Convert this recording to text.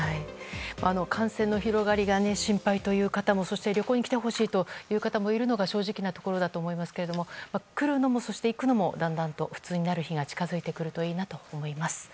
感染の広がりが心配という方もそして旅行に来てほしいという方もいるのが正直なところかと思いますが来るのも行くのもだんだんと普通になる日が近づいてくるといいなと思います。